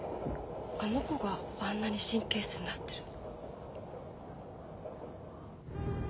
あの子があんなに神経質になってるの。